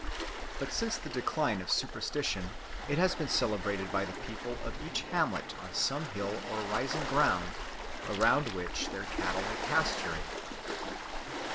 But since the decline of superstition, it has been celebrated by the people of each hamlet on some hill or rising ground around which their cattle were pasturing.